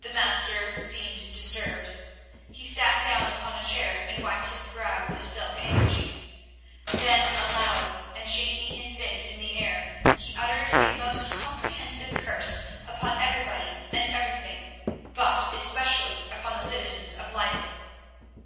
The Master seemed disturbed. He sat down upon a chair and wiped his brow with a silk handkerchief. Then aloud, and shaking his fist in the air, he uttered a most comprehensive curse upon everybody and everything, but especially upon the citizens of Leyden.